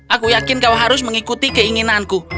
aku yakin kau harus mengikuti keinginanku